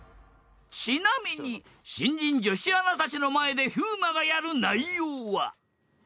［ちなみに新人女子アナたちの前で風磨がやる内容は］